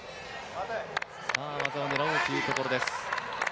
技を狙おうというところです。